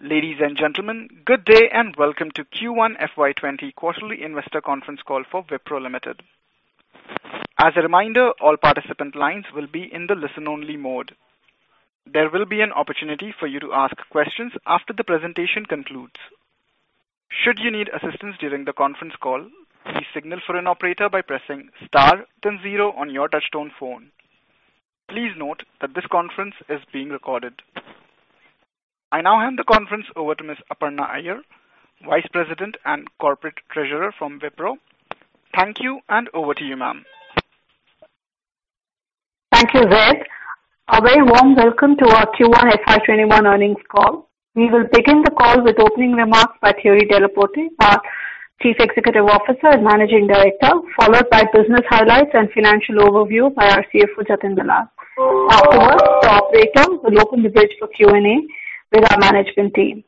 Ladies and gentlemen, good day and welcome to Q1 FY2021 Quarterly Investor Conference Call for Wipro Limited. As a reminder, all participant lines will be in the listen-only mode. There will be an opportunity for you to ask questions after the presentation concludes. Should you need assistance during the conference call, please signal for an operator by pressing star then zero on your touch-tone phone. Please note that this conference is being recorded. I now hand the conference over to Ms. Aparna Iyer, Vice President and Corporate Treasurer from Wipro. Thank you, and over to you, ma'am. Thank you, Vip. A very warm welcome to our Q1 FY2021 earnings call. We will begin the call with opening remarks by Thierry Delaporte, our Chief Executive Officer and Managing Director, followed by business highlights and financial overview by our CFO, Jatin Dalal. Afterwards, the operator will open the bridge for Q&A with our management team.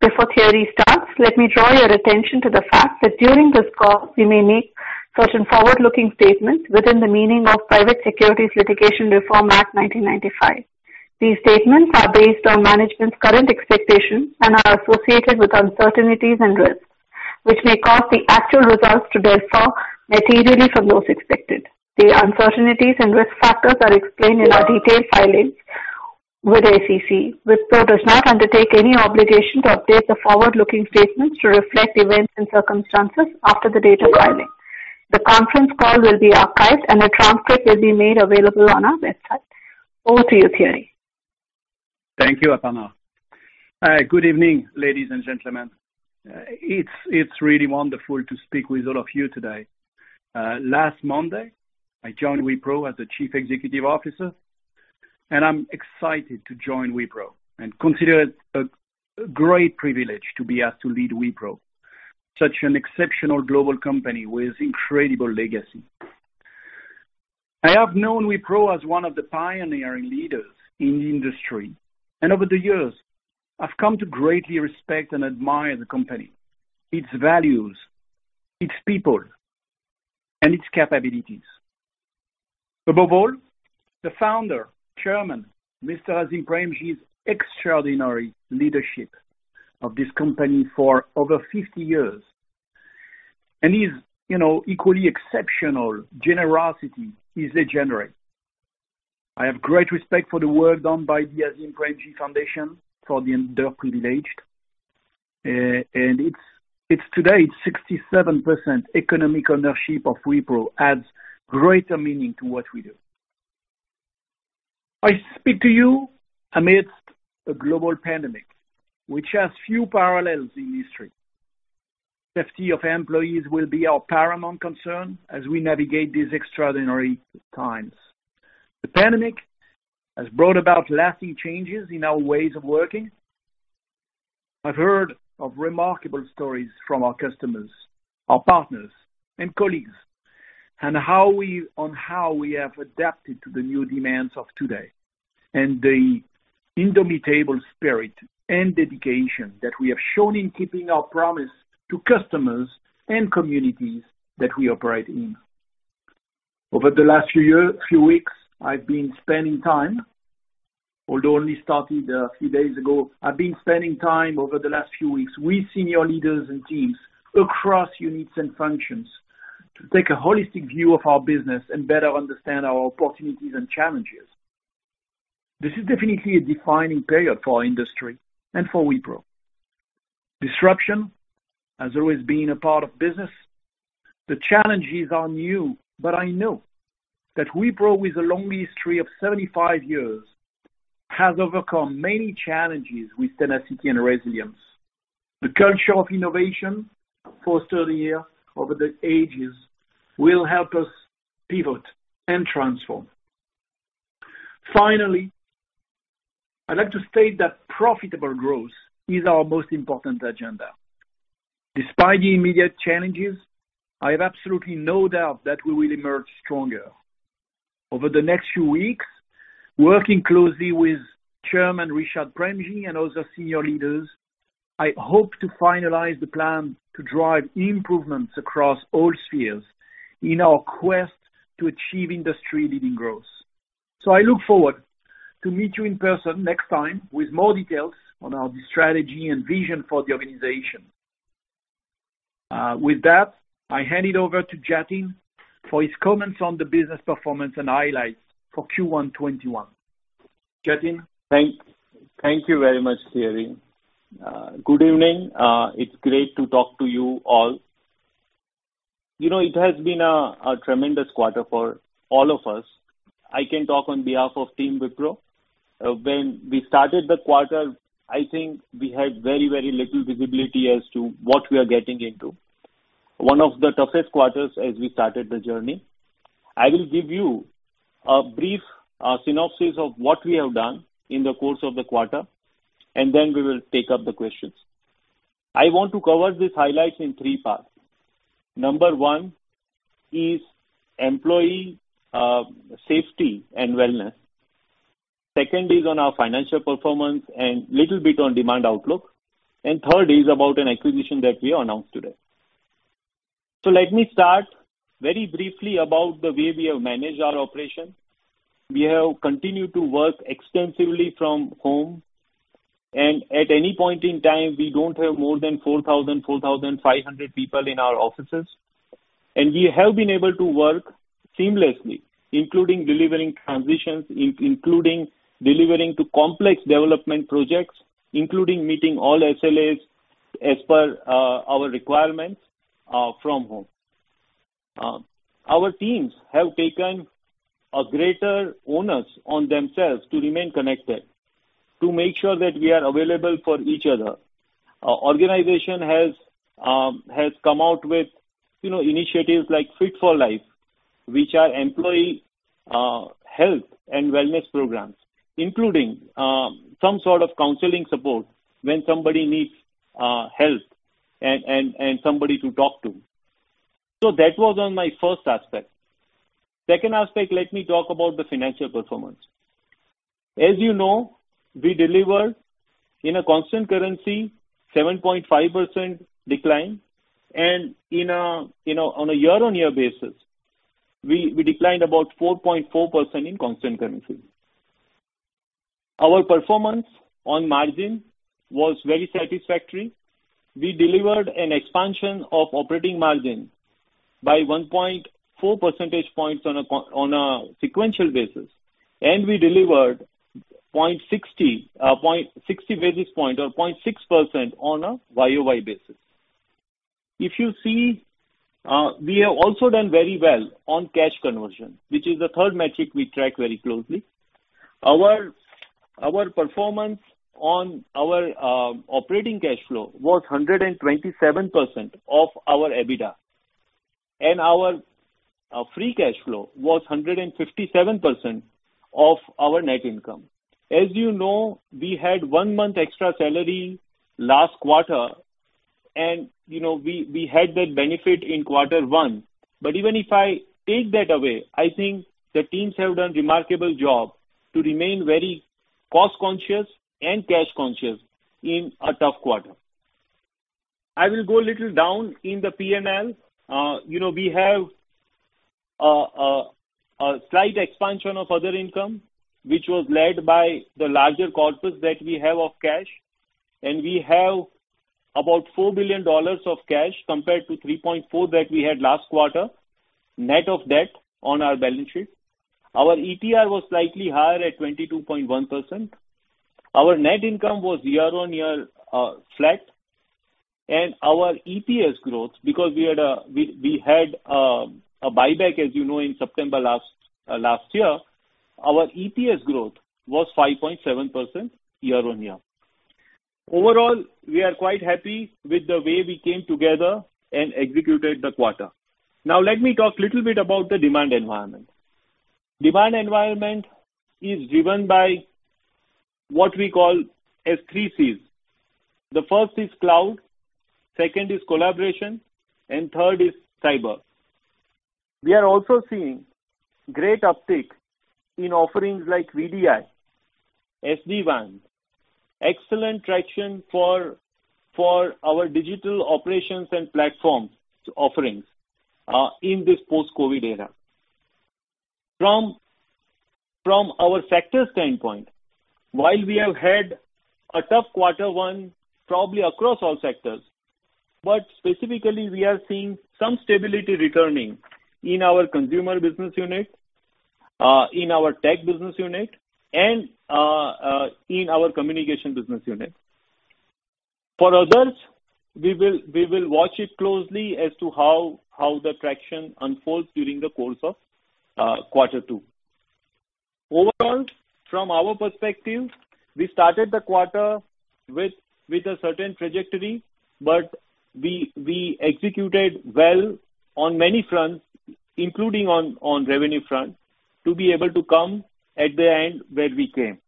Before Thierry starts, let me draw your attention to the fact that during this call, we may make certain forward-looking statements within the meaning of Private Securities Litigation Reform Act 1995. These statements are based on management's current expectations and are associated with uncertainties and risks, which may cause the actual results to differ materially from those expected. The uncertainties and risk factors are explained in our detailed filings with SEC. Wipro does not undertake any obligation to update the forward-looking statements to reflect events and circumstances after the date of filing. The conference call will be archived, and a transcript will be made available on our website. Over to you, Thierry. Thank you, Aparna. Good evening, ladies and gentlemen. It's really wonderful to speak with all of you today. Last Monday, I joined Wipro as a Chief Executive Officer, and I'm excited to join Wipro and consider it a great privilege to be asked to lead Wipro, such an exceptional global company with incredible legacy. I have known Wipro as one of the pioneering leaders in the industry, and over the years, I've come to greatly respect and admire the company, its values, its people, and its capabilities. Above all, the founder, Chairman, Mr. Azim Premji's extraordinary leadership of this company for over 50 years, and his equally exceptional generosity is legendary. I have great respect for the work done by the Azim Premji Foundation for the underprivileged, and today, its 67% economic ownership of Wipro adds greater meaning to what we do. I speak to you amidst a global pandemic, which has few parallels in history. Safety of employees will be our paramount concern as we navigate these extraordinary times. The pandemic has brought about lasting changes in our ways of working. I've heard of remarkable stories from our customers, our partners, and colleagues, and how we have adapted to the new demands of today and the indomitable spirit and dedication that we have shown in keeping our promise to customers and communities that we operate in. Over the last few weeks, although I only started a few days ago, I've been spending time with senior leaders and teams across units and functions to take a holistic view of our business and better understand our opportunities and challenges. This is definitely a defining period for our industry and for Wipro. Disruption has always been a part of business. The challenges are new, but I know that Wipro, with a long history of 75 years, has overcome many challenges with tenacity and resilience. The culture of innovation, fostered here over the ages, will help us pivot and transform. Finally, I'd like to state that profitable growth is our most important agenda. Despite the immediate challenges, I have absolutely no doubt that we will emerge stronger. Over the next few weeks, working closely with Chairman Rishad Premji and other senior leaders, I hope to finalize the plan to drive improvements across all spheres in our quest to achieve industry-leading growth. So I look forward to meeting you in person next time with more details on our strategy and vision for the organization. With that, I hand it over to Jatin for his comments on the business performance and highlights for Q1 2021. Jatin. Thank you very much, Thierry. Good evening. It's great to talk to you all. It has been a tremendous quarter for all of us. I can talk on behalf of Team Wipro. When we started the quarter, I think we had very, very little visibility as to what we are getting into. One of the toughest quarters as we started the journey. I will give you a brief synopsis of what we have done in the course of the quarter, and then we will take up the questions. I want to cover these highlights in three parts. Number one is employee safety and wellness. Second is on our financial performance and a little bit on demand outlook. And third is about an acquisition that we announced today. So let me start very briefly about the way we have managed our operations. We have continued to work extensively from home, and at any point in time, we don't have more than 4,000-4,500 people in our offices. And we have been able to work seamlessly, including delivering transitions, including delivering to complex development projects, including meeting all SLAs as per our requirements from home. Our teams have taken a greater onus on themselves to remain connected, to make sure that we are available for each other. Our organization has come out with initiatives like Fit for Life, which are employee health and wellness programs, including some sort of counseling support when somebody needs help and somebody to talk to. So that was on my first aspect. Second aspect, let me talk about the financial performance. As you know, we delivered in a constant currency 7.5% decline, and on a year-on-year basis, we declined about 4.4% in constant currency. Our performance on margin was very satisfactory. We delivered an expansion of operating margin by 1.4 percentage points on a sequential basis, and we delivered 0.60 basis points or 0.6% on a YOY basis. If you see, we have also done very well on cash conversion, which is the third metric we track very closely. Our performance on our operating cash flow was 127% of our EBITDA, and our free cash flow was 157% of our net income. As you know, we had one month extra salary last quarter, and we had that benefit in quarter one. But even if I take that away, I think the teams have done a remarkable job to remain very cost-conscious and cash-conscious in a tough quarter. I will go a little down in the P&L. We have a slight expansion of other income, which was led by the larger corpus that we have of cash, and we have about $4 billion of cash compared to $3.4 billion that we had last quarter net of debt on our balance sheet. Our ETR was slightly higher at 22.1%. Our net income was year-on-year flat, and our EPS growth, because we had a buyback, as you know, in September last year, our EPS growth was 5.7% year-on-year. Overall, we are quite happy with the way we came together and executed the quarter. Now, let me talk a little bit about the demand environment. Demand environment is driven by what we call three Cs. The first is Cloud, second is Collaboration, and third is Cyber. We are also seeing great uptick in offerings like VDI, SD-WAN, excellent traction for our digital operations and platform offerings in this post-COVID era. From our sector standpoint, while we have had a tough quarter one, probably across all sectors, but specifically, we are seeing some stability returning in our Consumer Business Unit, in our Tech Business Unit, and in our Communication Business Unit. For others, we will watch it closely as to how the traction unfolds during the course of quarter two. Overall, from our perspective, we started the quarter with a certain trajectory, but we executed well on many fronts, including on revenue front, to be able to come at the end where we came.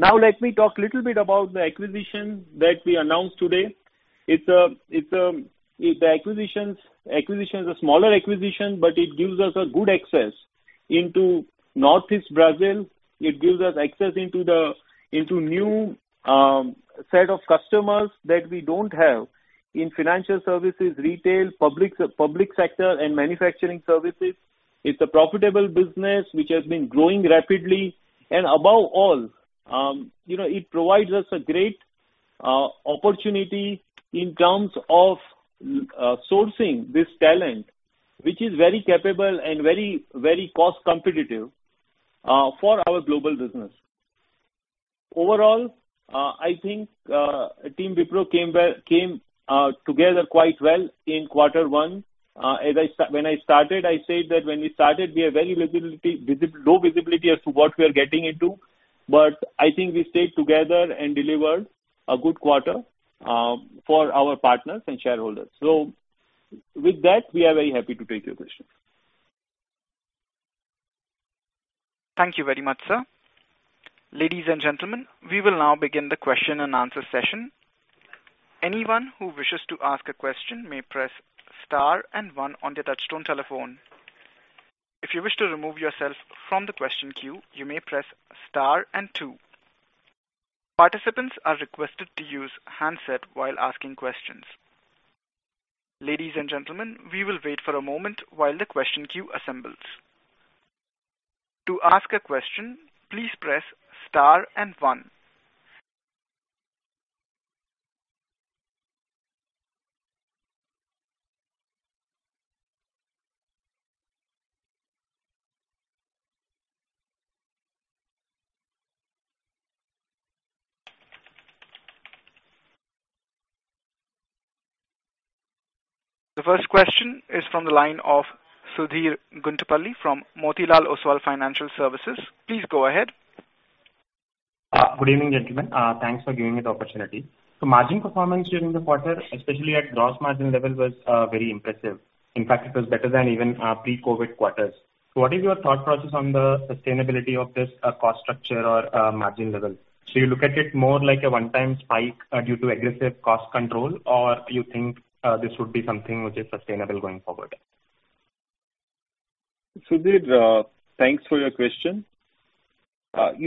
Now, let me talk a little bit about the acquisition that we announced today. The acquisition is a smaller acquisition, but it gives us a good access into Northeast Brazil. It gives us access into the new set of customers that we don't have in financial services, retail, public sector, and manufacturing services. It's a profitable business which has been growing rapidly, and above all, it provides us a great opportunity in terms of sourcing this talent, which is very capable and very cost-competitive for our global business. Overall, I think Team Wipro came together quite well in quarter one. When I started, I said that when we started, we had very low visibility as to what we are getting into, but I think we stayed together and delivered a good quarter for our partners and shareholders. So with that, we are very happy to take your questions. Thank you very much, sir. Ladies and gentlemen, we will now begin the question and answer session. Anyone who wishes to ask a question may press star and one on the touch-tone telephone. If you wish to remove yourself from the question queue, you may press star and two. Participants are requested to use handset while asking questions. Ladies and gentlemen, we will wait for a moment while the question queue assembles. To ask a question, please press star and one. The first question is from the line of Sudheer Guntupalli from Motilal Oswal Financial Services. Please go ahead. Good evening, gentlemen. Thanks for giving me the opportunity. The margin performance during the quarter, especially at gross margin level, was very impressive. In fact, it was better than even pre-COVID quarters. So what is your thought process on the sustainability of this cost structure or margin level? Do you look at it more like a one-time spike due to aggressive cost control, or do you think this would be something which is sustainable going forward? Sudheer, thanks for your question. Let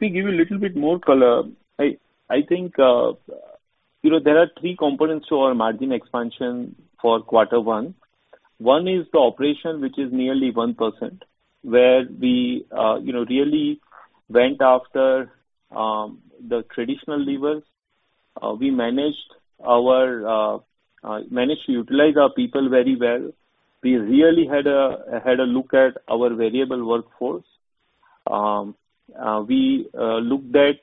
me give you a little bit more color. I think there are three components to our margin expansion for quarter one. One is the operation, which is nearly 1%, where we really went after the traditional levers. We managed to utilize our people very well. We really had a look at our variable workforce. We looked at.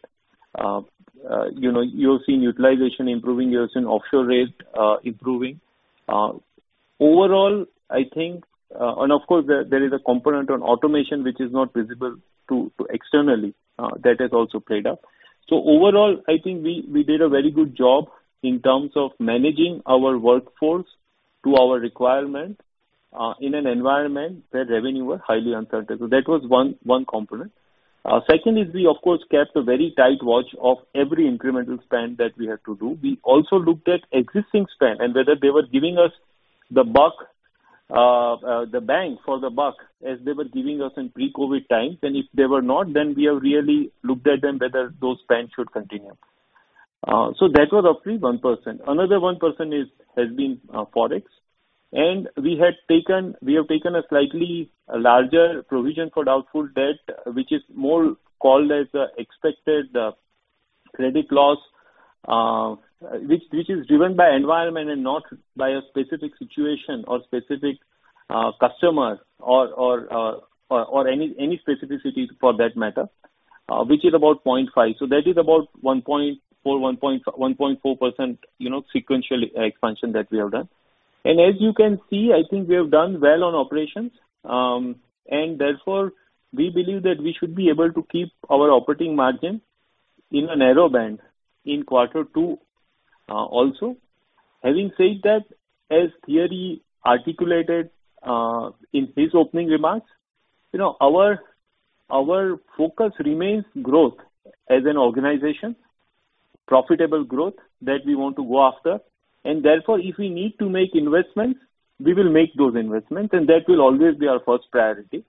You have seen utilization improving. You have seen offshore rate improving. Overall, I think, and of course, there is a component on automation, which is not visible externally. That has also played up. So overall, I think we did a very good job in terms of managing our workforce to our requirement in an environment where revenue was highly uncertain. So that was one component. Second is we, of course, kept a very tight watch of every incremental spend that we had to do. We also looked at existing spend and whether they were giving us the buck, the bang for the buck as they were giving us in pre-COVID times. And if they were not, then we have really looked at whether those spend should continue. So that was roughly 1%. Another 1% has been Forex. And we have taken a slightly larger provision for doubtful debt, which is more called as the expected credit loss, which is driven by environment and not by a specific situation or specific customer or any specificity for that matter, which is about 0.5%. So that is about 1.4%, 1.4% sequential expansion that we have done. And as you can see, I think we have done well on operations. And therefore, we believe that we should be able to keep our operating margin in a narrow band in quarter two also. Having said that, as Thierry articulated in his opening remarks, our focus remains growth as an organization, profitable growth that we want to go after. And therefore, if we need to make investments, we will make those investments, and that will always be our first priority.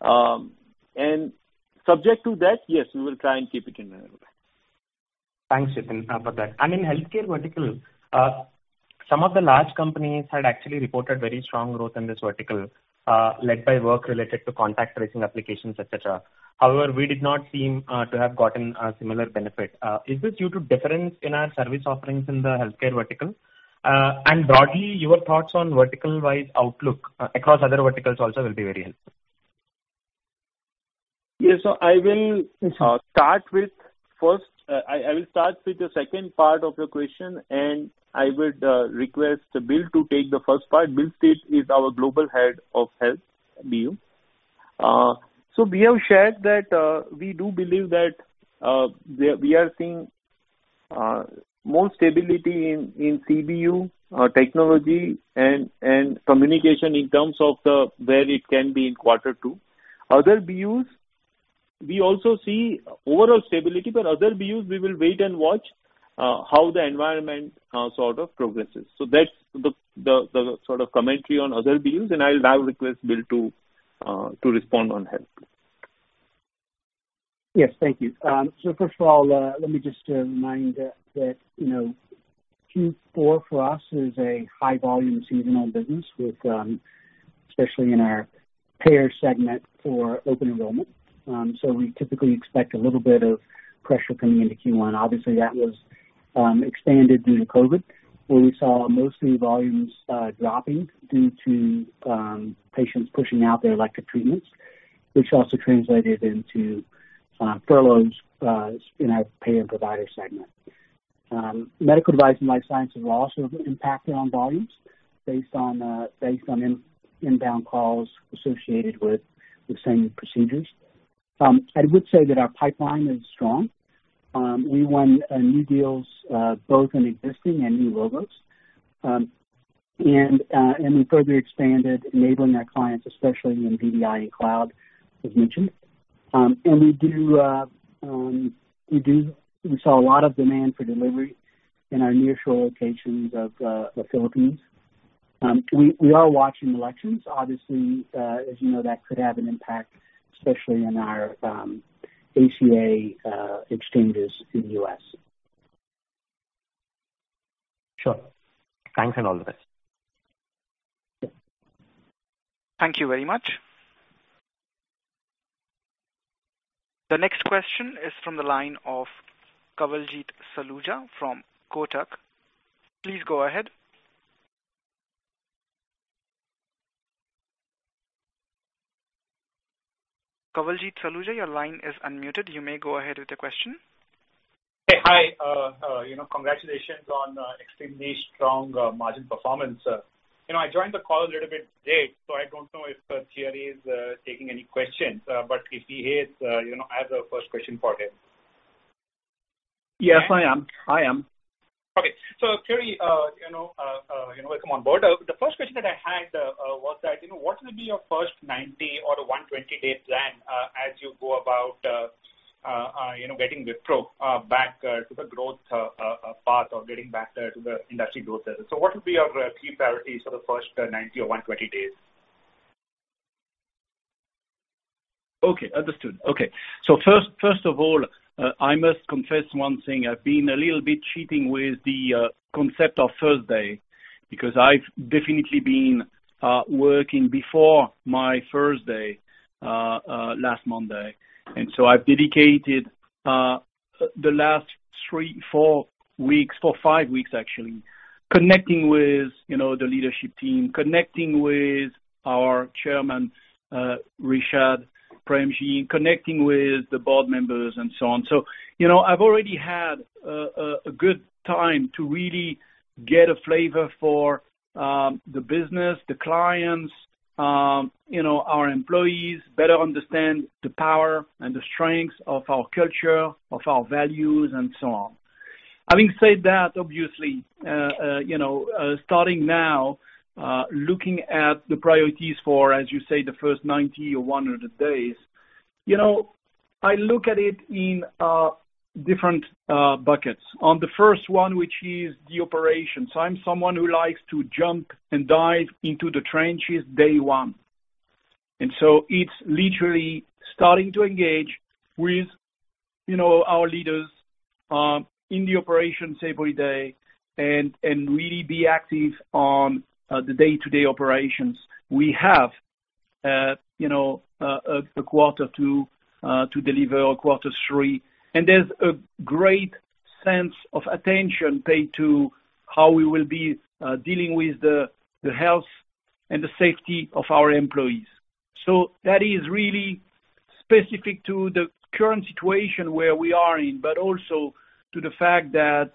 And subject to that, yes, we will try and keep it in a narrow band. Thanks, Jatin, for that. And in healthcare vertical, some of the large companies had actually reported very strong growth in this vertical, led by work related to contact tracing applications, etc. However, we did not seem to have gotten a similar benefit. Is this due to difference in our service offerings in the healthcare vertical? And broadly, your thoughts on vertical-wise outlook across other verticals also will be very helpful. Yes. So I will start with the second part of your question, and I would request Bill to take the first part. Bill Stith is our Global Head of Health BU. So we have shared that we do believe that we are seeing more stability in CBU, technology and communication in terms of where it can be in quarter two. Other BUs, we also see overall stability, but other BUs, we will wait and watch how the environment sort of progresses. So that's the sort of commentary on other BUs, and I'll now request Bill to respond on health. Yes, thank you, so first of all, let me just remind that Q4 for us is a high-volume seasonal business, especially in our payer segment for open enrollment, so we typically expect a little bit of pressure coming into Q1. Obviously, that was expanded due to COVID, where we saw mostly volumes dropping due to patients pushing out their elective treatments, which also translated into furloughs in our payer and provider segment. Medical device and life sciences were also impacted on volumes based on inbound calls associated with the same procedures. I would say that our pipeline is strong. We won new deals, both in existing and new logos, and we further expanded, enabling our clients, especially in VDI and cloud, as mentioned, and we saw a lot of demand for delivery in our nearshore locations of the Philippines. We are watching elections. Obviously, as you know, that could have an impact, especially in our ACA exchanges in the U.S. Sure. Thanks and all the best. Thank you very much. The next question is from the line of Kawaljeet Saluja from Kotak. Please go ahead. Kawaljeet Saluja, your line is unmuted. You may go ahead with the question. Hi. Congratulations on extremely strong margin performance. I joined the call a little bit late, so I don't know if Thierry is taking any questions, but if he is, I have a first question for him. Yes, I am. I am. Okay, so Thierry, welcome on board. The first question that I had was that what will be your first 90- or 120-day plan as you go about getting Wipro back to the growth path or getting back to the industry growth? So what will be your key priorities for the first 90- or 120 days? Okay. Understood. Okay. So first of all, I must confess one thing. I've been a little bit cheating with the concept of first day because I've definitely been working before my first day last Monday. And so I've dedicated the last three, four weeks, four, five weeks, actually, connecting with the leadership team, connecting with our Chairman, Rishad Premji, connecting with the board members, and so on. So I've already had a good time to really get a flavor for the business, the clients, our employees, better understand the power and the strengths of our culture, of our values, and so on. Having said that, obviously, starting now, looking at the priorities for, as you say, the first 90 or 100 days, I look at it in different buckets. On the first one, which is the operations. I'm someone who likes to jump and dive into the trenches day one. And so it's literally starting to engage with our leaders in the operations every day and really be active on the day-to-day operations. We have a quarter two to deliver, a quarter three. And there's a great sense of attention paid to how we will be dealing with the health and the safety of our employees. So that is really specific to the current situation where we are in, but also to the fact that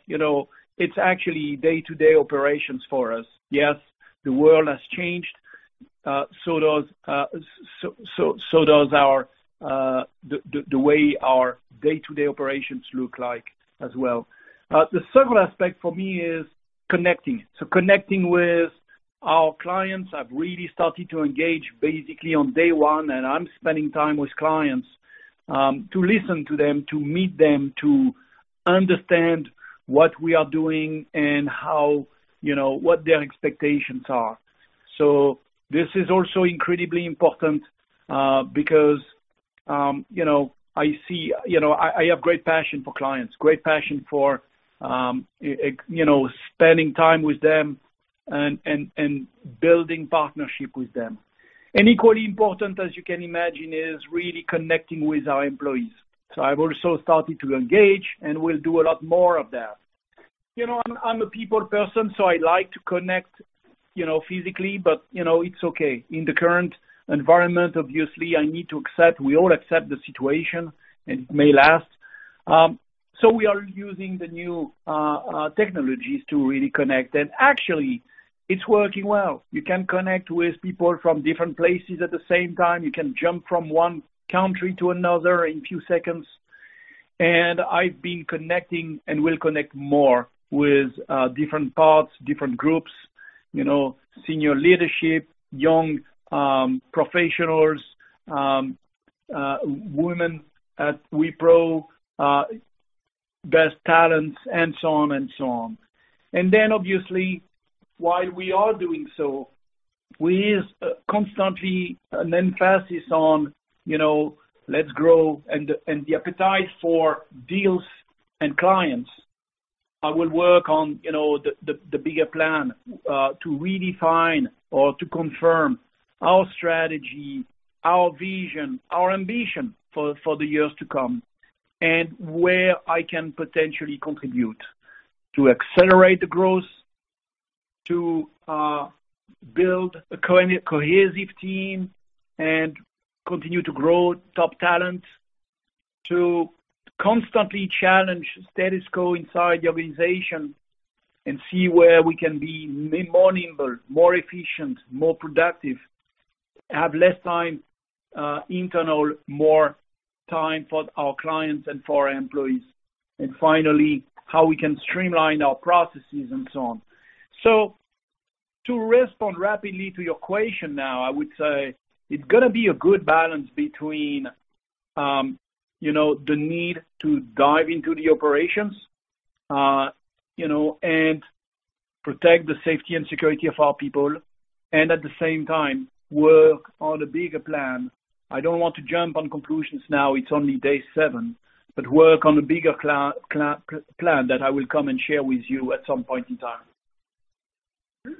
it's actually day-to-day operations for us. Yes, the world has changed. So does the way our day-to-day operations look like as well. The second aspect for me is connecting. So connecting with our clients. I've really started to engage basically on day one, and I'm spending time with clients to listen to them, to meet them, to understand what we are doing and what their expectations are. So this is also incredibly important because I see I have great passion for clients, great passion for spending time with them and building partnership with them. And equally important, as you can imagine, is really connecting with our employees. So I've also started to engage and will do a lot more of that. I'm a people person, so I like to connect physically, but it's okay. In the current environment, obviously, I need to accept. We all accept the situation, and it may last. So we are using the new technologies to really connect. And actually, it's working well. You can connect with people from different places at the same time. You can jump from one country to another in a few seconds. I've been connecting and will connect more with different parts, different groups, senior leadership, young professionals, women at Wipro, best talents, and so on and so on. Then, obviously, while we are doing so, we constantly emphasize on, "Let's grow," and the appetite for deals and clients. I will work on the bigger plan to redefine or to confirm our strategy, our vision, our ambition for the years to come, and where I can potentially contribute to accelerate the growth, to build a cohesive team and continue to grow top talent, to constantly challenge status quo inside the organization and see where we can be more nimble, more efficient, more productive, have less time internal, more time for our clients and for our employees, and finally, how we can streamline our processes and so on. To respond rapidly to your question now, I would say it's going to be a good balance between the need to dive into the operations and protect the safety and security of our people, and at the same time, work on a bigger plan. I don't want to jump to conclusions now. It's only day seven, but work on a bigger plan that I will come and share with you at some point in time.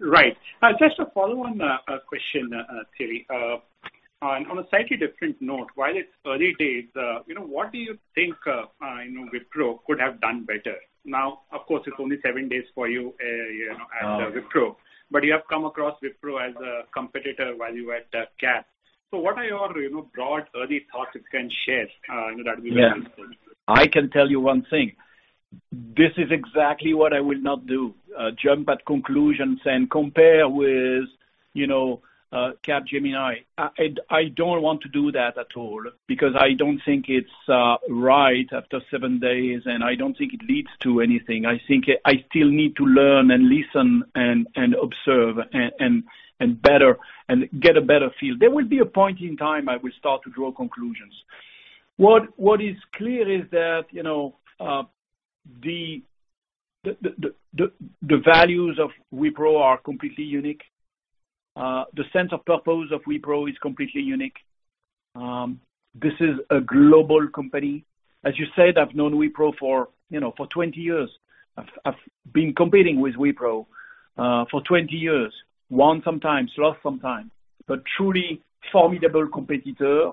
Right. Just a follow-on question, Thierry. On a slightly different note, while it's early days, what do you think Wipro could have done better? Now, of course, it's only seven days for you at Wipro, but you have come across Wipro as a competitor while you were at Cap. So what are your broad early thoughts you can share that we can? I can tell you one thing. This is exactly what I will not do: jump at conclusions and compare with Capgemini. I don't want to do that at all because I don't think it's right after seven days, and I don't think it leads to anything. I think I still need to learn and listen and observe and get a better feel. There will be a point in time I will start to draw conclusions. What is clear is that the values of Wipro are completely unique. The sense of purpose of Wipro is completely unique. This is a global company. As you said, I've known Wipro for 20 years. I've been competing with Wipro for 20 years, won sometimes, lost sometimes, but truly formidable competitor.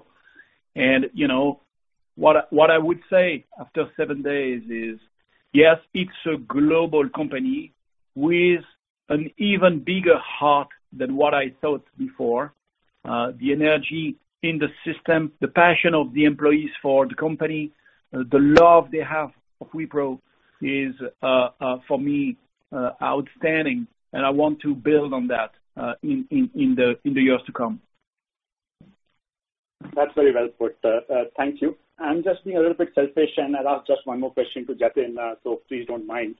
What I would say after seven days is, yes, it's a global company with an even bigger heart than what I thought before. The energy in the system, the passion of the employees for the company, the love they have of Wipro is, for me, outstanding, and I want to build on that in the years to come. That's very well put. Thank you. I'm just being a little bit selfish, and I'll ask just one more question to Jatin, so please don't mind.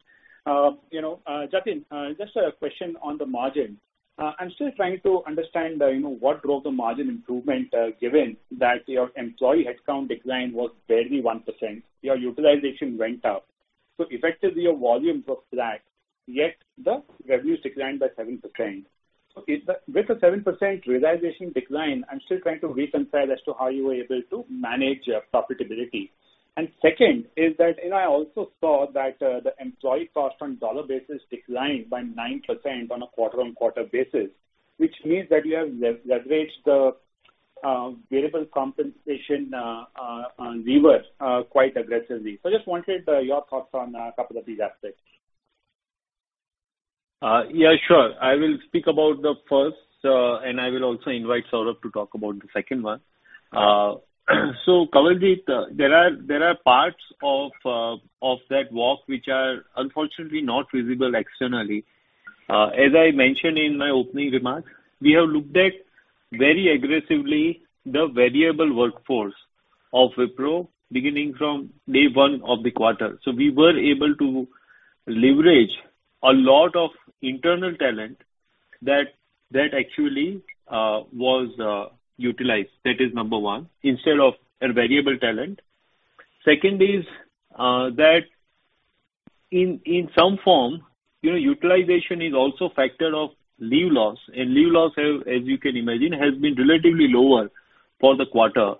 Jatin, just a question on the margin. I'm still trying to understand what drove the margin improvement, given that your employee headcount decline was barely 1%. Your utilization went up. So effectively, your volumes were flat, yet the revenues declined by 7%. With the 7% realization decline, I'm still trying to reconcile as to how you were able to manage profitability. And second is that I also saw that the employee cost on dollar basis declined by 9% on a quarter-on-quarter basis, which means that you have leveraged the variable compensation lever quite aggressively. So I just wanted your thoughts on a couple of these aspects. Yeah, sure. I will speak about the first, and I will also invite Saurabh to talk about the second one. Kawaljeet, there are parts of that walk which are unfortunately not visible externally. As I mentioned in my opening remarks, we have looked at very aggressively the variable workforce of Wipro beginning from day one of the quarter. So we were able to leverage a lot of internal talent that actually was utilized. That is number one, instead of variable talent. Second is that in some form, utilization is also a factor of leave loss. And leave loss, as you can imagine, has been relatively lower for the quarter.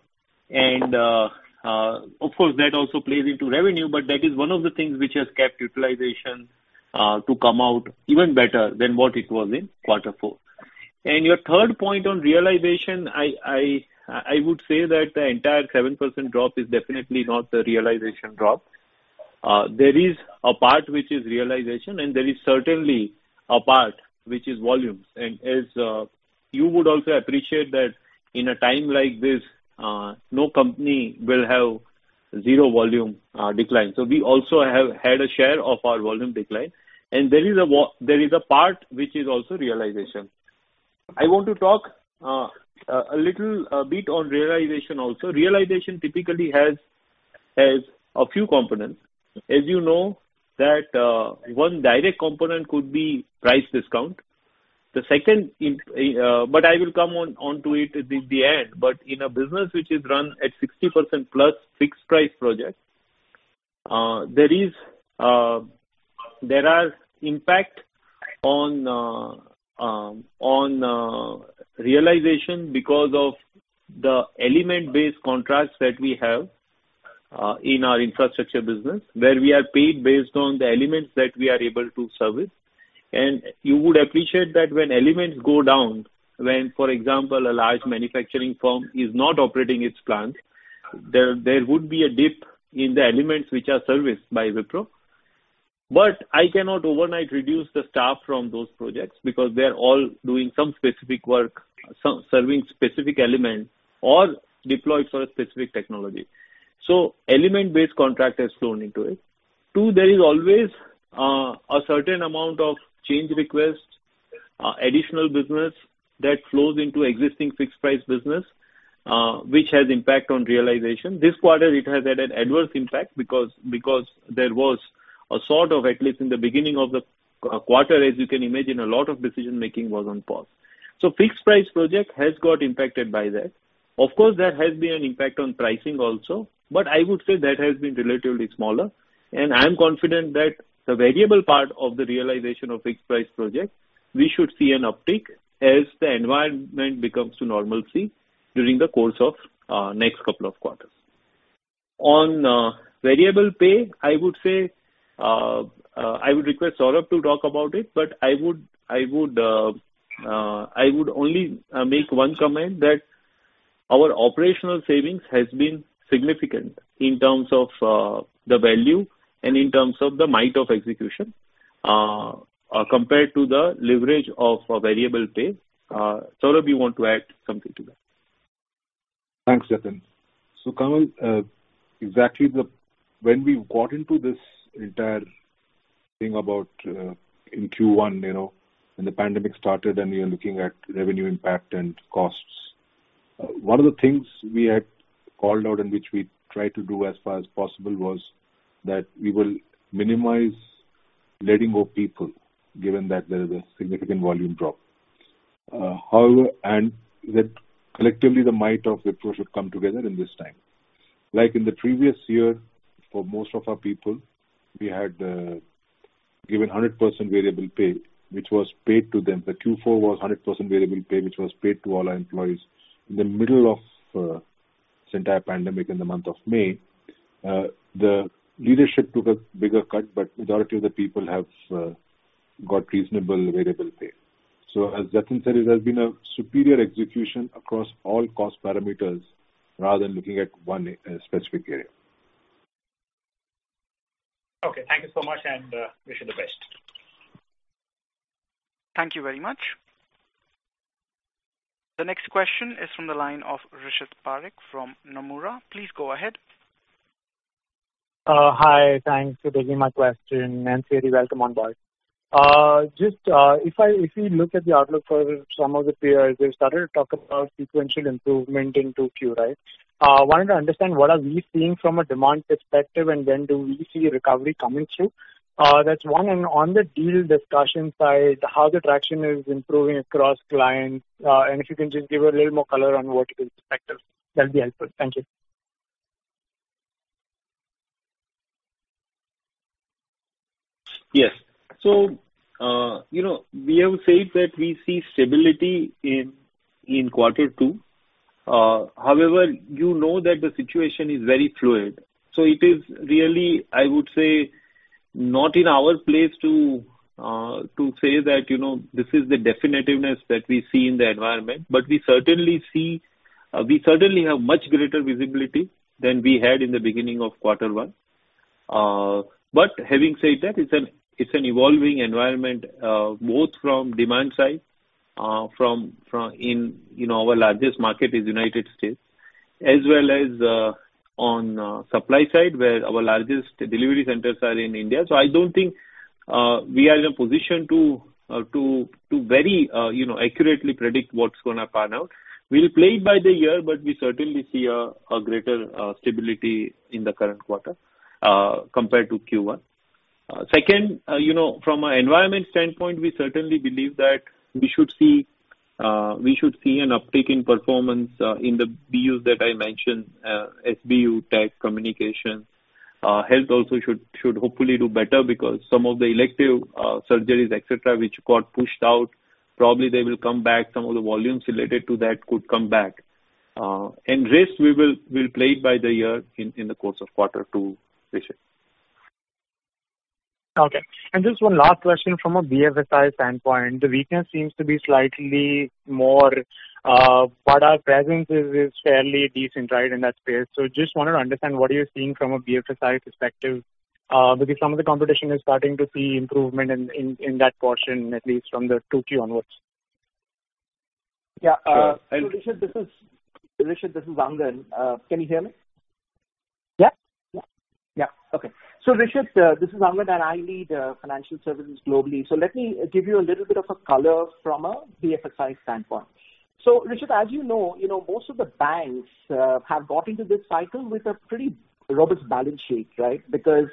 And of course, that also plays into revenue, but that is one of the things which has kept utilization to come out even better than what it was in quarter four. Your third point on realization, I would say that the entire 7% drop is definitely not the realization drop. There is a part which is realization, and there is certainly a part which is volumes. As you would also appreciate that in a time like this, no company will have zero volume decline. We also have had a share of our volume decline. There is a part which is also realization. I want to talk a little bit on realization also. Realization typically has a few components. As you know, that one direct component could be price discount. The second, but I will come on to it at the end, but in a business which is run at 60% plus fixed price project, there are impacts on realization because of the element-based contracts that we have in our infrastructure business, where we are paid based on the elements that we are able to service. And you would appreciate that when elements go down, when, for example, a large manufacturing firm is not operating its plants, there would be a dip in the elements which are serviced by Wipro. But I cannot overnight reduce the staff from those projects because they are all doing some specific work, serving specific elements, or deployed for a specific technology. So element-based contract has flowed into it. Two, there is always a certain amount of change request, additional business that flows into existing fixed price business, which has impact on realization. This quarter, it has had an adverse impact because there was a sort of, at least in the beginning of the quarter, as you can imagine, a lot of decision-making was on pause. So fixed price project has got impacted by that. Of course, that has been an impact on pricing also, but I would say that has been relatively smaller, and I'm confident that the variable part of the realization of fixed price project, we should see an uptick as the environment becomes to normalcy during the course of the next couple of quarters. On variable pay, I would say I would request Saurabh to talk about it, but I would only make one comment that our operational savings has been significant in terms of the value and in terms of the might of execution compared to the leverage of variable pay. Saurabh, you want to add something to that? Thanks, Jatin. So Kawal, exactly when we got into this entire thing about in Q1, when the pandemic started and you're looking at revenue impact and costs, one of the things we had called out and which we tried to do as far as possible was that we will minimize letting go of people, given that there is a significant volume drop. However, and that collectively, the might of Wipro should come together in this time. Like in the previous year, for most of our people, we had given 100% variable pay, which was paid to them. The Q4 was 100% variable pay, which was paid to all our employees. In the middle of the entire pandemic, in the month of May, the leadership took a bigger cut, but the majority of the people have got reasonable variable pay. As Jatin said, it has been a superior execution across all cost parameters rather than looking at one specific area. Okay. Thank you so much, and wish you the best. Thank you very much. The next question is from the line of Rishit Parikh from Nomura. Please go ahead. Hi. Thanks for taking my question. And Thierry, welcome on board. Just if we look at the outlook for some of the peers, they've started to talk about sequential improvement in 2Q, right? I wanted to understand what are we seeing from a demand perspective, and then do we see recovery coming through? That's one. And on the deal discussion side, how the traction is improving across clients? And if you can just give a little more color on what you can expect, that'll be helpful. Thank you. Yes. So we have said that we see stability in quarter two. However, you know that the situation is very fluid. So it is really, I would say, not in our place to say that this is the definitiveness that we see in the environment, but we certainly have much greater visibility than we had in the beginning of quarter one. But having said that, it's an evolving environment, both from demand side, from our largest market is the United States, as well as on the supply side, where our largest delivery centers are in India. So I don't think we are in a position to very accurately predict what's going to pan out. We'll play it by ear, but we certainly see a greater stability in the current quarter compared to Q1. Second, from an environment standpoint, we certainly believe that we should see an uptick in performance in the BUs that I mentioned, SBU Tech, Communications. Health also should hopefully do better because some of the elective surgeries, etc., which got pushed out, probably they will come back. Some of the volumes related to that could come back. And risk, we'll play it by ear in the course of quarter two, Rishit. Okay. And just one last question from a BFSI standpoint. The weakness seems to be slightly more, but our presence is fairly decent, right, in that space. So just wanted to understand what you're seeing from a BFSI perspective because some of the competition is starting to see improvement in that portion, at least from the 2Q onwards. Yeah. Rishit, this is Angan. Can you hear me? Yeah. Yeah. Okay. So Rishit, this is Angan, and I lead financial services globally. So let me give you a little bit of a color from a BFSI standpoint. So Rishit, as you know, most of the banks have got into this cycle with a pretty robust balance sheet, right, because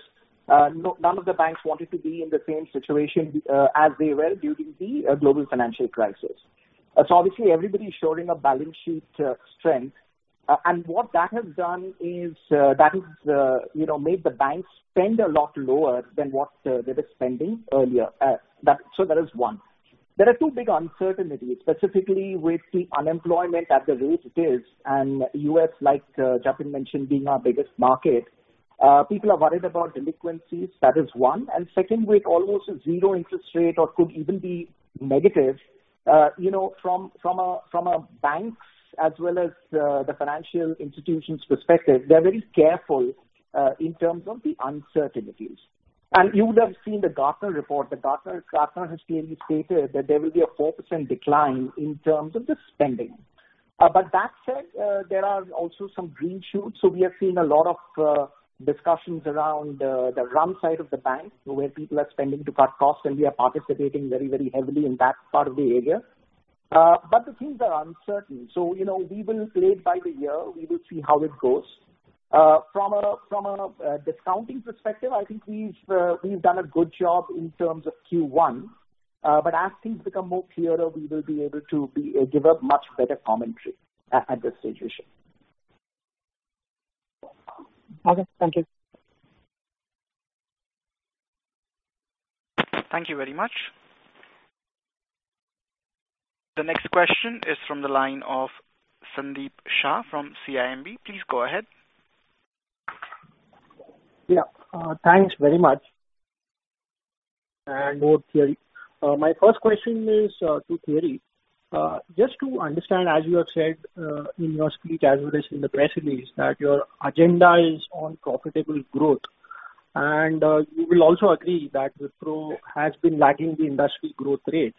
none of the banks wanted to be in the same situation as they were during the global financial crisis. So obviously, everybody's showing a balance sheet strength. And what that has done is that has made the banks spend a lot lower than what they were spending earlier. So that is one. There are two big uncertainties, specifically with the unemployment at the rate it is, and the U.S., like Jatin mentioned, being our biggest market. People are worried about delinquencies. That is one. And second, with almost a zero interest rate or could even be negative, from a bank's as well as the financial institution's perspective, they're very careful in terms of the uncertainties. And you would have seen the Gartner report. Gartner has clearly stated that there will be a 4% decline in terms of the spending. But that said, there are also some green shoots. So we have seen a lot of discussions around the run side of the bank, where people are spending to cut costs, and we are participating very, very heavily in that part of the area. But the things are uncertain. So we will play it by the year. We will see how it goes. From a discounting perspective, I think we've done a good job in terms of Q1. But as things become more clearer, we will be able to give a much better commentary at this situation. Okay. Thank you. Thank you very much. The next question is from the line of Sandeep Shah from CIMB. Please go ahead. Yeah. Thanks very much. To Thierry. My first question is to Thierry. Just to understand, as you have said in your speech, as well as in the press release, that your agenda is on profitable growth. And you will also agree that Wipro has been lagging the industry growth rate,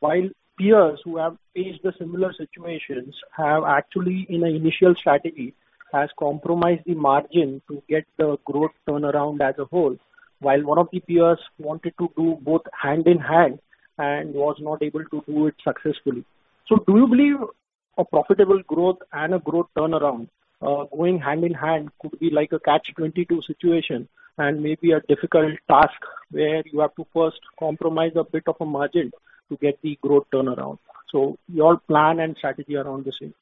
while peers who have faced the similar situations have actually, in an initial strategy, compromised the margin to get the growth turnaround as a whole, while one of the peers wanted to do both hand in hand and was not able to do it successfully. So do you believe a profitable growth and a growth turnaround going hand in hand could be like a catch 22 situation and maybe a difficult task where you have to first compromise a bit of a margin to get the growth turnaround? So your plan and strategy around this is?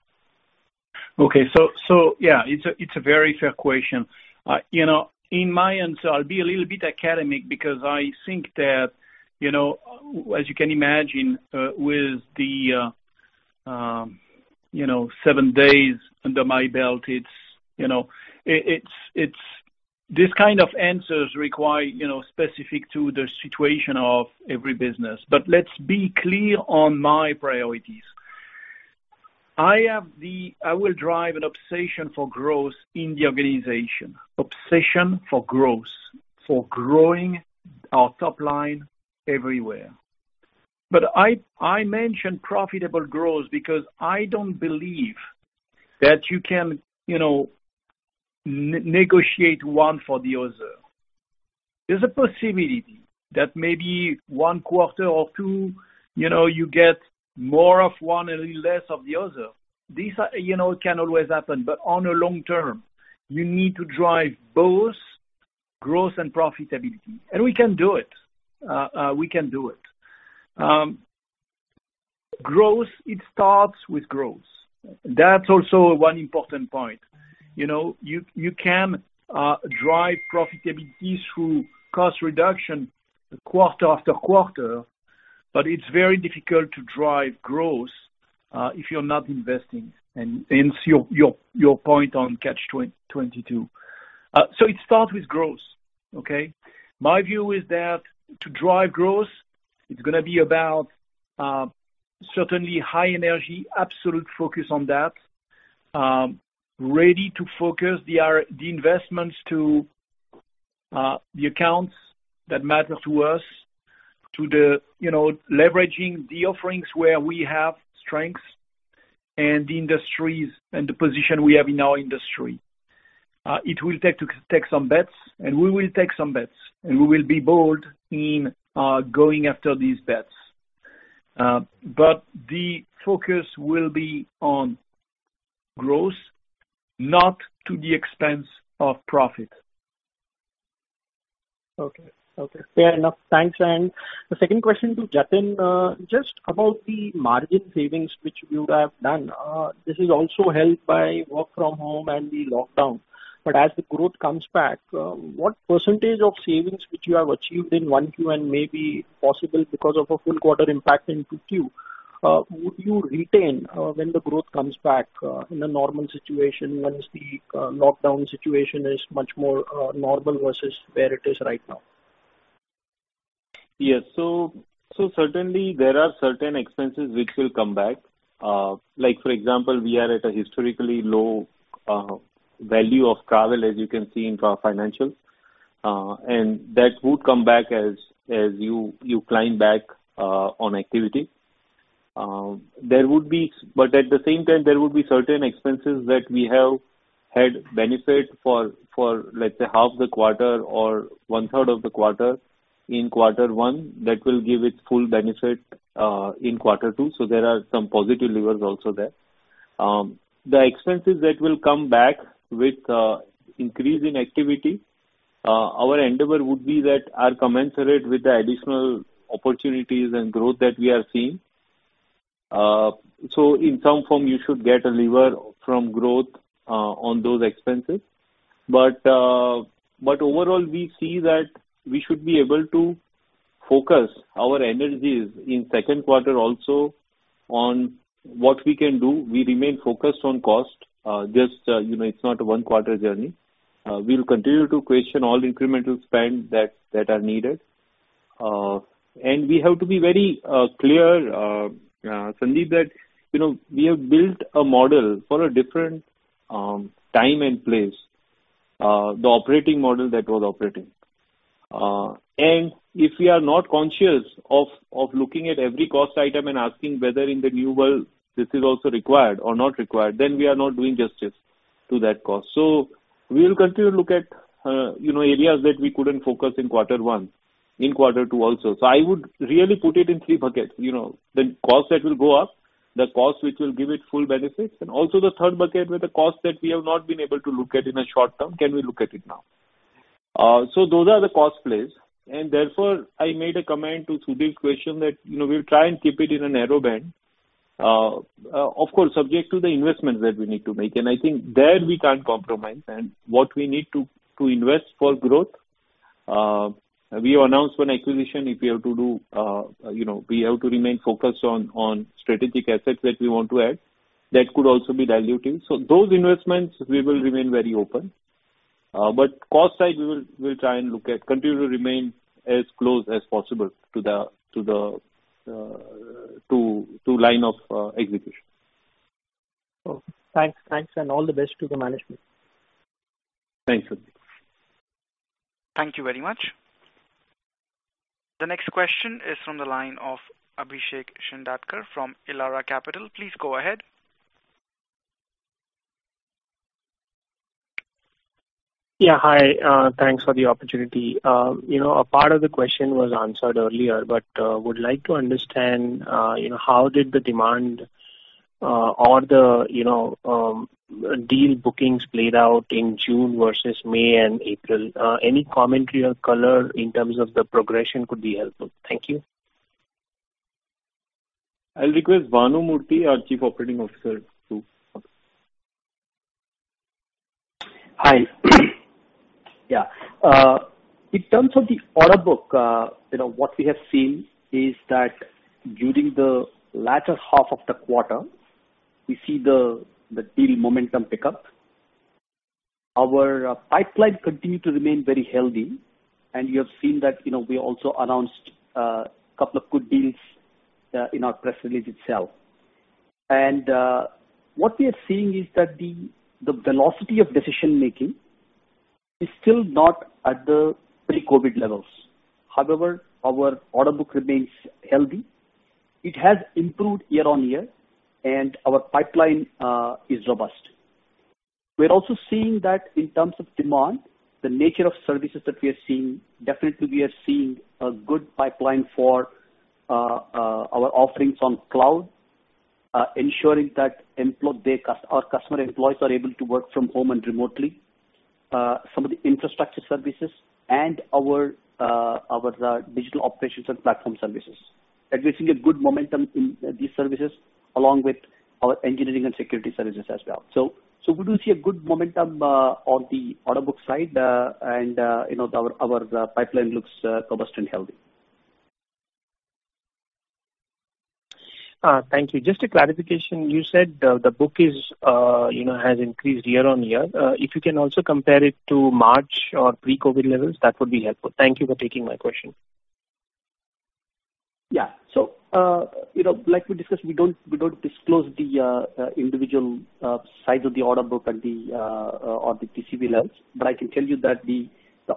Okay, so yeah, it's a very fair question. In my answer, I'll be a little bit academic because I think that, as you can imagine, with the seven days under my belt, it's this kind of answers require specific to the situation of every business. But let's be clear on my priorities. I will drive an obsession for growth in the organization, obsession for growth, for growing our top line everywhere. But I mentioned profitable growth because I don't believe that you can negotiate one for the other. There's a possibility that maybe one quarter or two, you get more of one and less of the other. This can always happen, but on a long term, you need to drive both growth and profitability. And we can do it. We can do it. Growth, it starts with growth. That's also one important point. You can drive profitability through cost reduction quarter after quarter, but it's very difficult to drive growth if you're not investing; you're in a catch 22. So it starts with growth, okay? My view is that to drive growth, it's going to be about certainly high energy, absolute focus on that, ready to focus the investments to the accounts that matter to us, to leverage the offerings where we have strengths and the industries and the position we have in our industry. It will take some bets, and we will take some bets, and we will be bold in going after these bets. But the focus will be on growth, not at the expense of profit. Okay. Okay. Fair enough. Thanks. And the second question to Jatin, just about the margin savings which you have done. This is also helped by work from home and the lockdown. But as the growth comes back, what percentage of savings which you have achieved in 1Q and maybe possible because of a full quarter impact in 2Q, would you retain when the growth comes back in a normal situation once the lockdown situation is much more normal versus where it is right now? Yes. So certainly, there are certain expenses which will come back. For example, we are at a historically low value of travel, as you can see in our financials. And that would come back as you climb back on activity. There would be, but at the same time, there would be certain expenses that we have had benefit for, let's say, half the quarter or one-third of the quarter in quarter one that will give it full benefit in quarter two. So there are some positive levers also there. The expenses that will come back with increase in activity, our endeavor would be that are commensurate with the additional opportunities and growth that we are seeing. So in some form, you should get a lever from growth on those expenses. But overall, we see that we should be able to focus our energies in second quarter also on what we can do. We remain focused on cost. Just it's not a one-quarter journey. We will continue to question all incremental spend that are needed. And we have to be very clear, Sandeep, that we have built a model for a different time and place, the operating model that was operating. And if we are not conscious of looking at every cost item and asking whether in the new world, this is also required or not required, then we are not doing justice to that cost. So we will continue to look at areas that we couldn't focus in quarter one, in quarter two also. So I would really put it in three buckets. The cost that will go up, the cost which will give it full benefits, and also the third bucket with the cost that we have not been able to look at in a short term. Can we look at it now? So those are the cost plays. And therefore, I made a comment to Sandeep's question that we'll try and keep it in a narrow band, of course, subject to the investments that we need to make. And I think there we can't compromise. And what we need to invest for growth, we announced one acquisition if we have to do. We have to remain focused on strategic assets that we want to add. That could also be diluted. So those investments, we will remain very open. But cost side, we will try and look at continue to remain as close as possible to the line of execution. Thanks. Thanks and all the best to the management. Thanks. Thank you very much. The next question is from the line of Abhishek Shindadkar from Elara Capital. Please go ahead. Yeah. Hi. Thanks for the opportunity. A part of the question was answered earlier, but would like to understand how did the demand or the deal bookings played out in June versus May and April? Any commentary or color in terms of the progression could be helpful. Thank you. I'll request Bhanumurthy, our Chief Operating Officer, too. Hi. Yeah. In terms of the order book, what we have seen is that during the latter half of the quarter, we see the deal momentum pick up. Our pipeline continued to remain very healthy, and you have seen that we also announced a couple of good deals in our press release itself, and what we are seeing is that the velocity of decision-making is still not at the pre-COVID levels. However, our order book remains healthy. It has improved year on year, and our pipeline is robust. We're also seeing that in terms of demand, the nature of services that we are seeing, definitely we are seeing a good pipeline for our offerings on cloud, ensuring that our customer employees are able to work from home and remotely, some of the infrastructure services, and our digital operations and platform services. That we're seeing a good momentum in these services along with our engineering and security services as well. So we do see a good momentum on the order book side, and our pipeline looks robust and healthy. Thank you. Just a clarification. You said the book has increased year-on-year. If you can also compare it to March or pre-COVID levels, that would be helpful. Thank you for taking my question. Yeah. So like we discussed, we don't disclose the individual size of the order book or the TCV levels. But I can tell you that the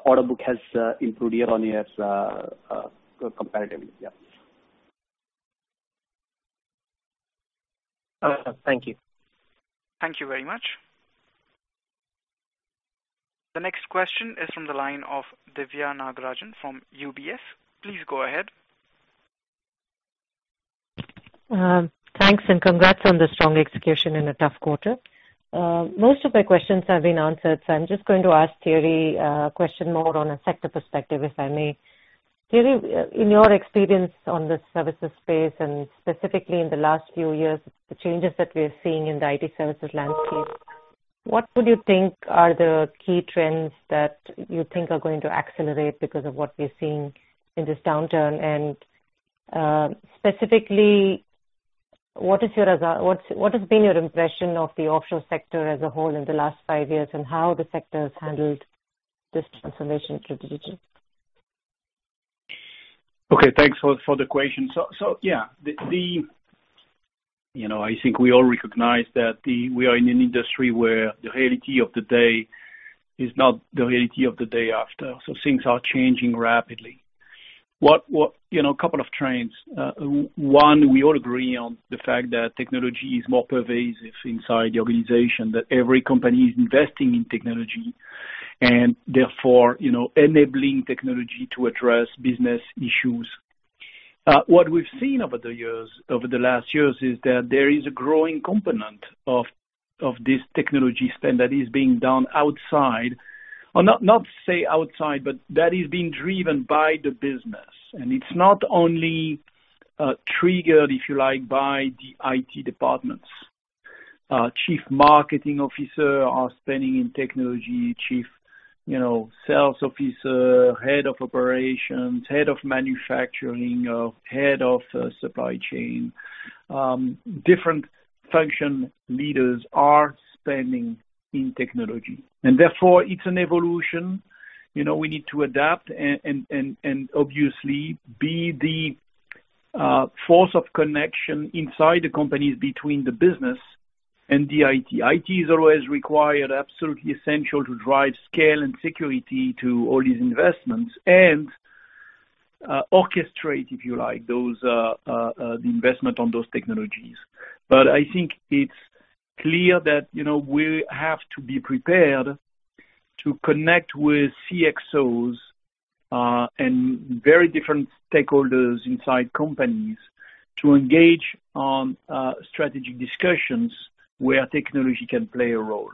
order book has improved year-on-year comparatively. Yeah. Thank you. Thank you very much. The next question is from the line of Diviya Nagarajan from UBS. Please go ahead. Thanks and congrats on the strong execution in a tough quarter. Most of my questions have been answered, so I'm just going to ask Thierry a question more on a sector perspective, if I may. Thierry, in your experience on the services space and specifically in the last few years, the changes that we are seeing in the IT services landscape, what would you think are the key trends that you think are going to accelerate because of what we are seeing in this downturn, and specifically, what has been your impression of the offshore sector as a whole in the last five years and how the sector has handled this transformation to digital? Okay. Thanks for the question. So yeah, I think we all recognize that we are in an industry where the reality of the day is not the reality of the day after. So things are changing rapidly. A couple of trends. One, we all agree on the fact that technology is more pervasive inside the organization, that every company is investing in technology, and therefore, enabling technology to address business issues. What we've seen over the last years is that there is a growing component of this technology spend that is being done outside or not say outside, but that is being driven by the business. And it's not only triggered, if you like, by the IT departments. Chief Marketing Officer are spending in technology, Chief Sales Officer, Head of Operations, Head of Manufacturing, Head of Supply Chain. Different function leaders are spending in technology. And therefore, it's an evolution. We need to adapt and obviously be the force of connection inside the companies between the business and the IT. IT is always required, absolutely essential to drive scale and security to all these investments and orchestrate, if you like, the investment on those technologies. But I think it's clear that we have to be prepared to connect with CXOs and very different stakeholders inside companies to engage on strategic discussions where technology can play a role.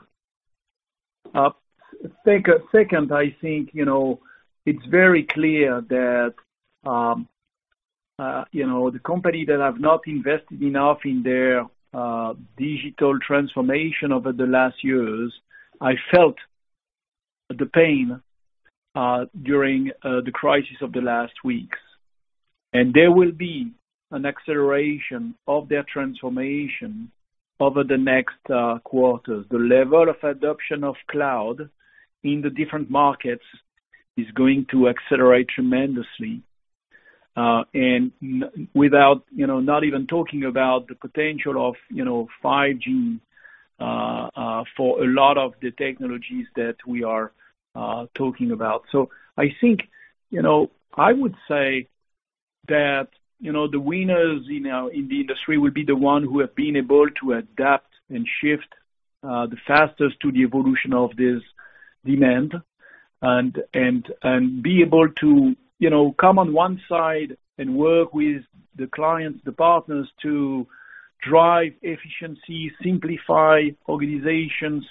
Second, I think it's very clear that the companies that have not invested enough in their digital transformation over the last years felt the pain during the crisis of the last weeks, and there will be an acceleration of their transformation over the next quarters. The level of adoption of cloud in the different markets is going to accelerate tremendously. And without even talking about the potential of 5G for a lot of the technologies that we are talking about. So I think I would say that the winners in the industry will be the ones who have been able to adapt and shift the fastest to the evolution of this demand and be able to come on one side and work with the clients, the partners to drive efficiency, simplify organizations,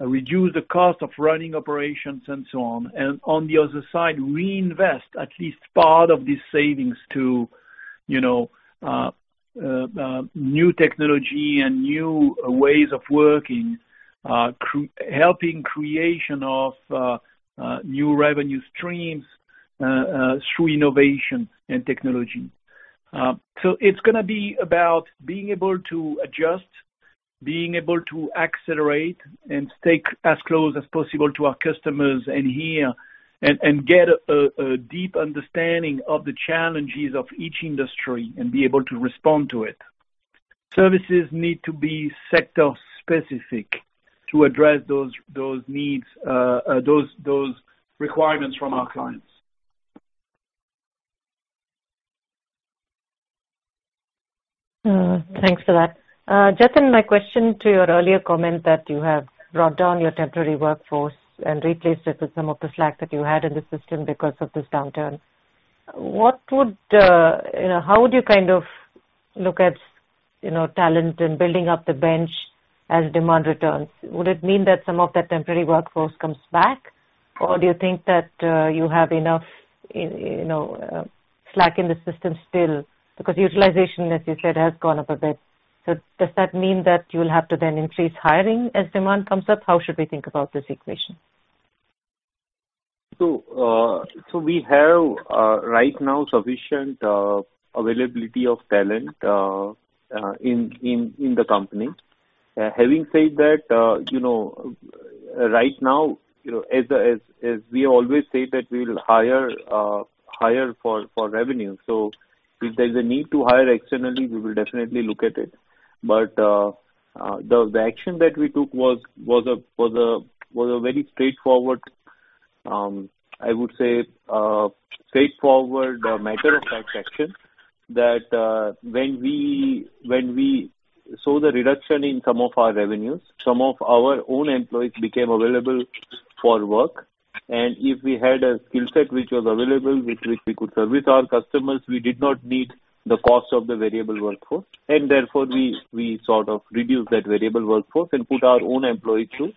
reduce the cost of running operations, and so on. And on the other side, reinvest at least part of these savings to new technology and new ways of working, helping creation of new revenue streams through innovation and technology. So it's going to be about being able to adjust, being able to accelerate, and stay as close as possible to our customers and hear and get a deep understanding of the challenges of each industry and be able to respond to it. Services need to be sector-specific to address those needs, those requirements from our clients. Thanks for that. Jatin, my question to your earlier comment that you have brought down your temporary workforce and replaced it with some of the slack that you had in the system because of this downturn. How would you kind of look at talent and building up the bench as demand returns? Would it mean that some of that temporary workforce comes back, or do you think that you have enough slack in the system still? Because utilization, as you said, has gone up a bit. So does that mean that you'll have to then increase hiring as demand comes up? How should we think about this equation? So we have right now sufficient availability of talent in the company. Having said that, right now, as we always say that we will hire for revenue. So if there's a need to hire externally, we will definitely look at it. But the action that we took was a very straightforward, I would say, straightforward matter of fact action that when we saw the reduction in some of our revenues, some of our own employees became available for work. And if we had a skill set which was available, which we could service our customers, we did not need the cost of the variable workforce. And therefore, we sort of reduced that variable workforce and put our own employees to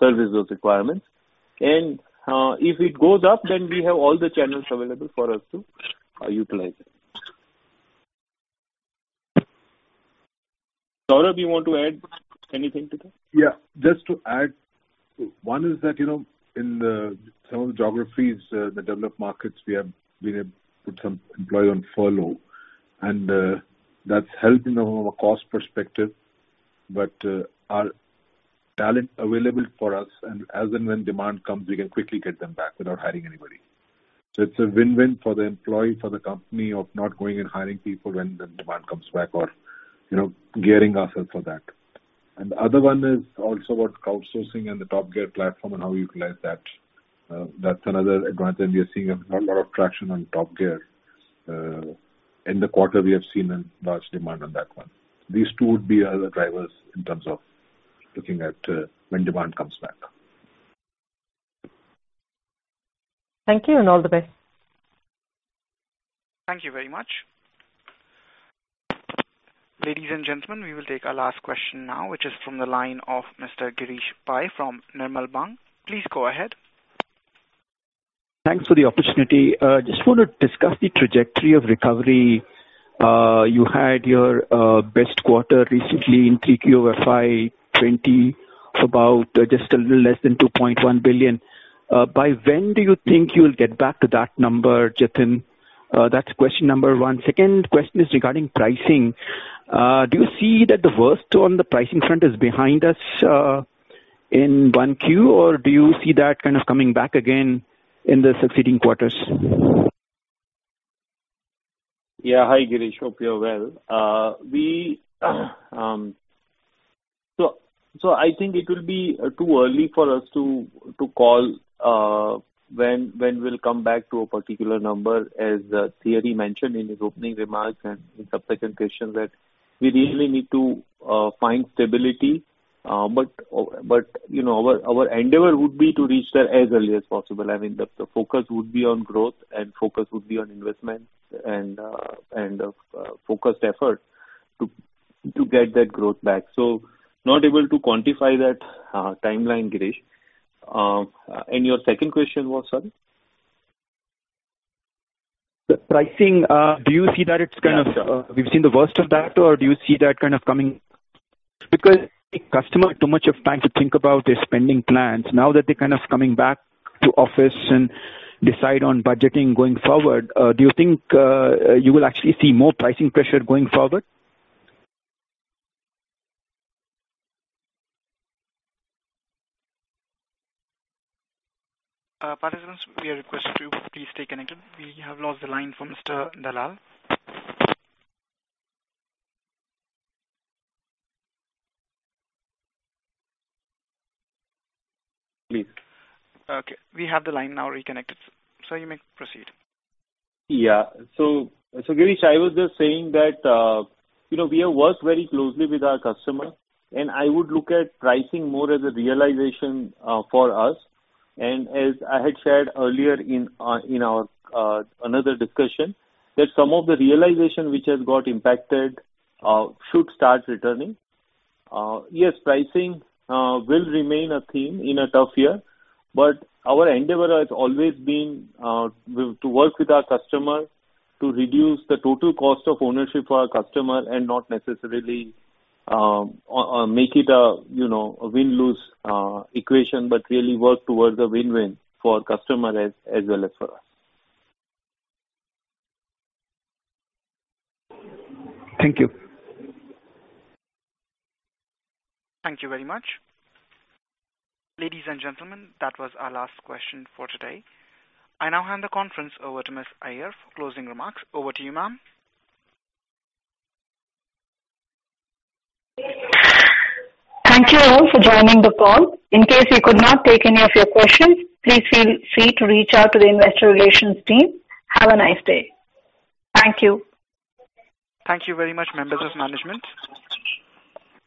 service those requirements. And if it goes up, then we have all the channels available for us to utilize it. Saurabh, you want to add anything to that? Yeah. Just to add, one is that in some of the geographies, the developed markets, we have been able to put some employees on furlough. And that's helped in a cost perspective. But our talent is available for us, and as and when demand comes, we can quickly get them back without hiring anybody. So it's a win-win for the employee, for the company of not going and hiring people when the demand comes back or gearing ourselves for that. And the other one is also about crowdsourcing and the TopGear platform and how we utilize that. That's another advantage we are seeing a lot of traction on TopGear. In the quarter, we have seen a large demand on that one. These two would be the drivers in terms of looking at when demand comes back. Thank you, and all the best. Thank you very much. Ladies and gentlemen, we will take our last question now, which is from the line of Mr. Girish Pai from Nirmal Bang. Please go ahead. Thanks for the opportunity. Just want to discuss the trajectory of recovery. You had your best quarter recently in 3Q FY2020, about just a little less than $2.1 billion. By when do you think you'll get back to that number, Jatin? That's question number one. Second question is regarding pricing. Do you see that the worst on the pricing front is behind us in 1Q, or do you see that kind of coming back again in the succeeding quarters? Yeah. Hi, Girish. Hope you're well. So I think it will be too early for us to call when we'll come back to a particular number, as Thierry mentioned in his opening remarks and in subsequent questions, that we really need to find stability. But our endeavor would be to reach there as early as possible. I mean, the focus would be on growth, and focus would be on investment and focused effort to get that growth back. So not able to quantify that timeline, Girish. And your second question was, sorry? The pricing, do you see that it's kind of we've seen the worst of that, or do you see that kind of coming? Because customers have too much time to think about their spending plans. Now that they're kind of coming back to office and decide on budgeting going forward, do you think you will actually see more pricing pressure going forward? Participants, we are requested to please stay connected. We have lost the line from Mr. Dalal. Please. Okay. We have the line now reconnected. So you may proceed. Yeah, so Girish, I was just saying that we have worked very closely with our customers, and I would look at pricing more as a realization for us, and as I had shared earlier in our another discussion, that some of the realization which has got impacted should start returning. Yes, pricing will remain a theme in a tough year, but our endeavor has always been to work with our customers to reduce the total cost of ownership for our customers and not necessarily make it a win-lose equation, but really work towards a win-win for our customers as well as for us. Thank you. Thank you very much. Ladies and gentlemen, that was our last question for today. I now hand the conference over to Ms. Iyer for closing remarks. Over to you, ma'am. Thank you all for joining the call. In case you could not take any of your questions, please feel free to reach out to the investor relations team. Have a nice day. Thank you. Thank you very much, members of management.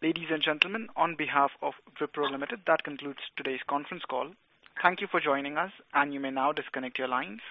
Ladies and gentlemen, on behalf of Wipro Limited, that concludes today's conference call. Thank you for joining us, and you may now disconnect your lines.